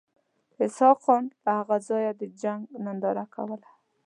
اسحق خان له هغه ځایه د جنګ ننداره کوله.